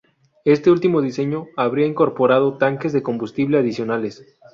Este último diseño habría incorporado tanques de combustible adicionales.